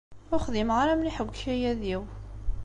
Ur xdimeɣ ara mliḥ deg ukayad-iw.